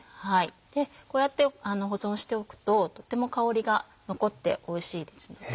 でこうやって保存しておくととっても香りが残っておいしいです。